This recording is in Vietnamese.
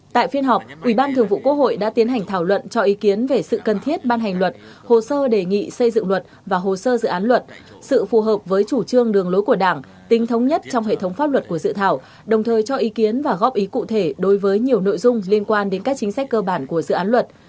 tại phiên họp ủy ban thường vụ quốc hội đã tiến hành thảo luận cho ý kiến về sự cần thiết ban hành luật hồ sơ đề nghị xây dựng luật và hồ sơ dự án luật sự phù hợp với chủ trương đường lối của đảng tính thống nhất trong hệ thống pháp luật của dự thảo đồng thời cho ý kiến và góp ý cụ thể đối với nhiều nội dung liên quan đến các chính sách cơ bản của dự án luật